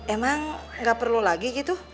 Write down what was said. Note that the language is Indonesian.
emang nggak perlu lagi gitu